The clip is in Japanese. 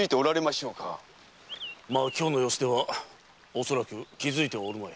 今日の様子では恐らく気づいてはおるまい。